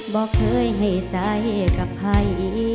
บอกเคยให้ใจกับใคร